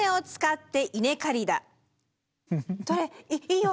どれ？